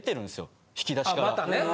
あまたね。